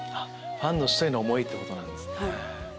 ファンの人への思いってことなんですね。